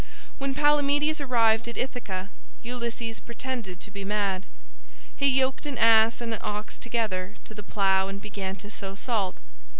When Palamedes arrived at Ithaca Ulysses pretended to be mad. He yoked an ass and an ox together to the plough and began to sow salt.